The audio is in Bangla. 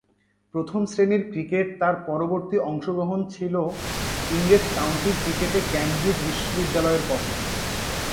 প্রথম-শ্রেণীর ক্রিকেটে তার পরবর্তী অংশগ্রহণ ছিল ইংরেজ কাউন্টি ক্রিকেটে ক্যামব্রিজ বিশ্ববিদ্যালয়ের পক্ষে।